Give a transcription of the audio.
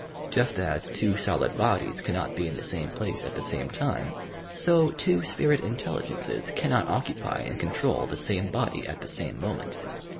Just as "two solid bodies cannot be in the same place at the same time," so two spirit intelligences cannot occupy and control the same body at the same moment.